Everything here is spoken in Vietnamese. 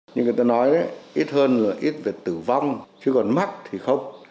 như người ta nói ít hơn là ít về tử vong chứ còn mắc thì không